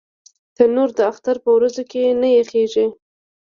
تنور د اختر پر ورځو کې نه یخېږي